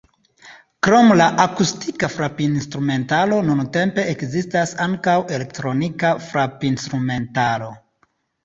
Krom la akustika frapinstrumentaro nuntempe ekzistas ankaŭ elektronika frapinstrumentaro.